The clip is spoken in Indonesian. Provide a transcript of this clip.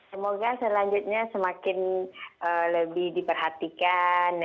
semoga selanjutnya semakin lebih diperhatikan